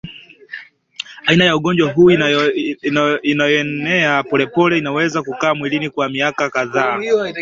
Aina ya ugonjwa huu inayoenea polepole inaweza kukaa mwilini kwa miaka kadhaa